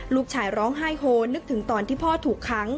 ลูกชายร้องไห้โฮนึกถึงตอนที่พ่อถูกค้าง